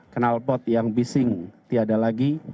kenalpot yang bising tiada lagi